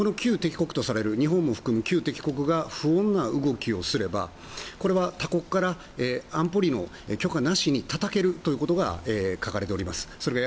日本も含む旧敵国が不穏な動きをすれば他国から安保理の許可なしにたたけるということが書かれております。